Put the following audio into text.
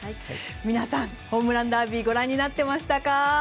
皆さん、ホームランダービーご覧になってましたか？